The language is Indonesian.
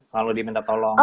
kalau diminta tolong